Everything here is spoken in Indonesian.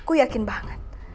aku yakin banget